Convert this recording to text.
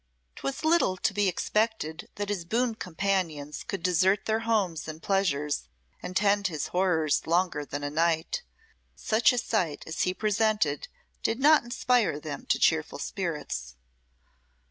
'Twas little to be expected that his boon companions could desert their homes and pleasures and tend his horrors longer than a night. Such a sight as he presented did not inspire them to cheerful spirits.